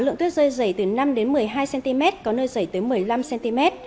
lượng tuyết rơi dày từ năm đến một mươi hai cm có nơi dày tới một mươi năm cm